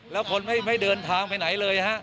แล้วคนไม่เดินทางไปไหนเลยฮะ